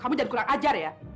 kamu jadi kurang ajar ya